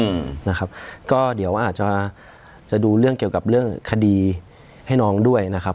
อืมนะครับก็เดี๋ยวอาจจะจะดูเรื่องเกี่ยวกับเรื่องคดีให้น้องด้วยนะครับ